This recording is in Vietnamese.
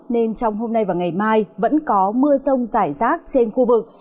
nên trong hôm nay và ngày mai vẫn có mưa rông rải rác trên khu vực